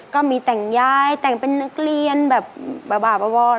ก็มีแต่งย้ายแต่งเป็นนักเรียนแบบบ้าวอน